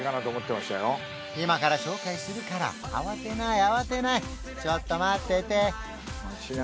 今から紹介するから慌てない慌てないちょっと待っててきゃ！